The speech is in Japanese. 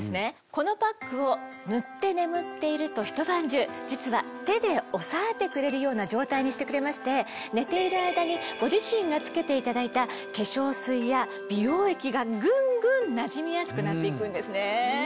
このパックを塗って眠っているとひと晩中実は手で押さえてくれるような状態にしてくれまして寝ている間にご自身が付けていただいた化粧水や美容液がぐんぐんなじみやすくなっていくんですね。